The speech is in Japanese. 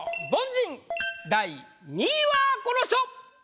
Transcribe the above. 凡人第２位はこの人！